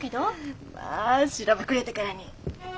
まあしらばくれてからに。